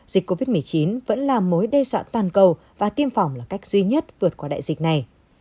dịch covid một mươi chín vẫn là mối đe dọa toàn cầu và tiêm phòng là cách duy nhất vượt qua đại dịch này